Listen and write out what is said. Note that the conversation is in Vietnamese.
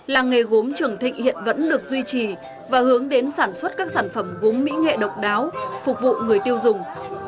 làng nghề gốm trường thịnh hiện vẫn được duy trì và hướng đến sản xuất các sản phẩm gốm mỹ nghệ độc đáo phục vụ người tiêu dùng